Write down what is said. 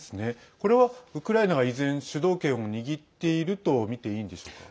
これは、ウクライナが依然主導権を握っているとみていいんでしょうか。